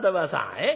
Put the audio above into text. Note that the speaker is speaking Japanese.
えっ？